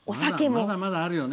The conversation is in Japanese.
まだまだあるよね。